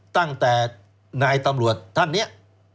ตั้งแต่นายตำรวจท่านเนี่ย